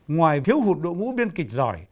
ngoài thiếu hụt đội ngũ biên kịch giỏi